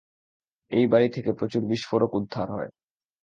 এই বাড়ি থেকে প্রচুর বিস্ফোরক উদ্ধার হয়।